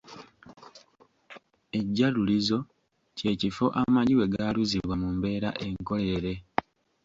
Ejjalulizo kye kifo amagi we gaalulizibwa mu mbeera enkolerere.